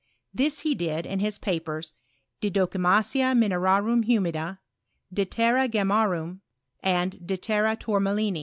This he did in his papers " De Docimasia Mioerarum Humida," " De Terra Gemmarum," and " De Terra Tourma lin!